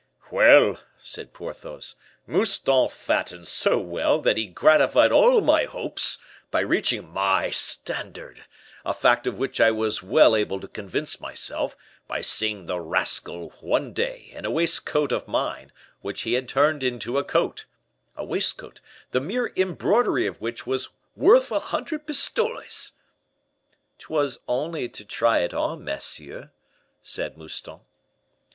"Well," said Porthos, "Mouston fattened so well, that he gratified all my hopes, by reaching my standard; a fact of which I was well able to convince myself, by seeing the rascal, one day, in a waistcoat of mine, which he had turned into a coat a waistcoat, the mere embroidery of which was worth a hundred pistoles." "'Twas only to try it on, monsieur," said Mouston.